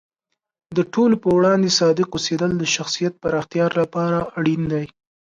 د ټولو په وړاندې صادق اوسیدل د شخصیت پراختیا لپاره اړین دی.